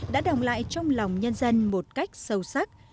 đã đồng lại trong lòng nhân dân một cách sâu sắc